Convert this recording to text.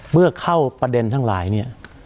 เมื่อเข้าประเด็นทั้งหลายเนี่ย